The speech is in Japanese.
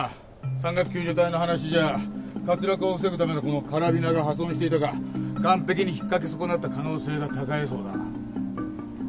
山岳救助隊の話じゃ滑落を防ぐためのこのカラビナが破損していたか岩壁に引っかけ損なった可能性が高いそうだ。